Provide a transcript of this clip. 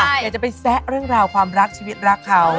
อยากจะไปแซะเรื่องราวความรักชีวิตรักเขา